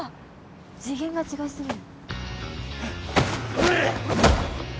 次元が違い過ぎる。